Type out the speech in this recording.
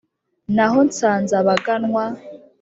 naho nsanzabaganwa